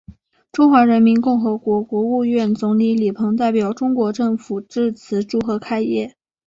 中华人民共和国国务院总理李鹏代表中国政府致词祝贺开业。